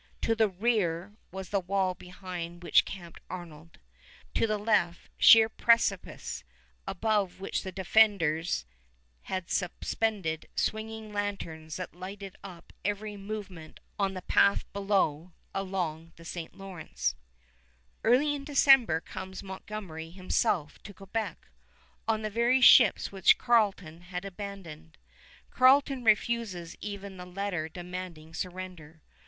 To the rear was the wall behind which camped Arnold; to the left sheer precipice, above which the defenders had suspended swinging lanterns that lighted up every movement on the path below along the St. Lawrence. [Illustration: MAP OF QUEBEC DURING SIEGE OF CONGRESS TROOPS] Early in December comes Montgomery himself to Quebec, on the very ships which Carleton had abandoned. Carleton refuses even the letter demanding surrender.